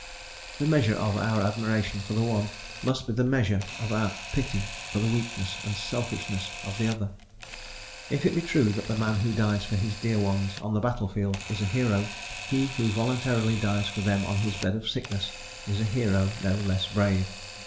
The measure of our admiration for the one, must be the measure of our pity for the weakness and selfishness of the other. If it be true that the man who dies for his dear ones on the battlefield is a hero, he who voluntarily dies for them on his bed of sickness is a hero no less brave.